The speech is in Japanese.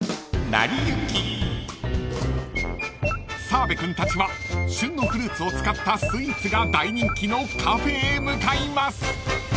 ［澤部君たちは旬のフルーツを使ったスイーツが大人気のカフェへ向かいます］